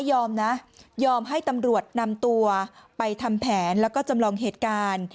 ยอมนะยอมให้ตำรวจนำตัวไปทำแผนแล้วก็จำลองเหตุการณ์